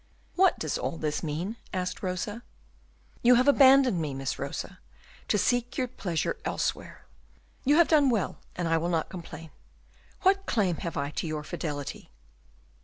"What does all this mean?" asked Rosa. "You have abandoned me, Miss Rosa, to seek your pleasure elsewhere. You have done well, and I will not complain. What claim have I to your fidelity?"